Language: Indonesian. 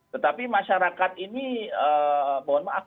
tetapi masyarakat ini mohon maaf